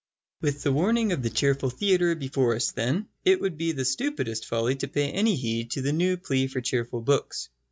With the warning of the cheerful theatre before us, then, it would be the stupidest folly to pay any heed to the new plea for cheerful books.